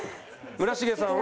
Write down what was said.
村重さんは？